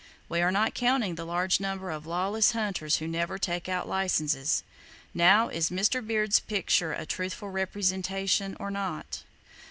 We are not counting the large number of lawless hunters who never take out licenses. Now, is Mr. Beard's picture a truthful presentation, or not?